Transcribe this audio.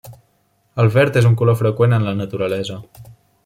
El verd és un color freqüent en la naturalesa.